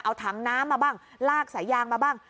เอาถังน้ำมาบ้างลากสายยางมาบ้าง